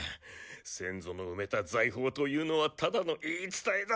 先祖の埋めた財宝というのはただの言い伝えだったのか？